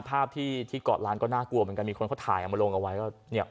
ภาพที่กอดล้านก็น่ากลัวเหมือนกันมีคนเขาถ่ายออกมาลงเอาไว้